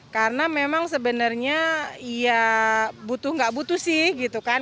karena memang sebenarnya ya butuh nggak butuh sih gitu kan